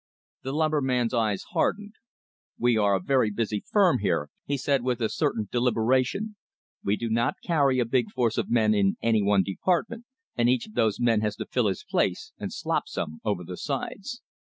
The lumberman's eyes hardened. "We are a very busy firm here," he said with a certain deliberation; "we do not carry a big force of men in any one department, and each of those men has to fill his place and slop some over the sides.